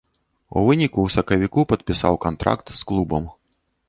У выніку, у сакавіку падпісаў кантракт з клубам.